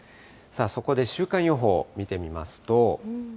そこで週間予報見てみますと。